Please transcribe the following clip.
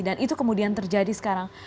dan itu kemudian terjadi sekarang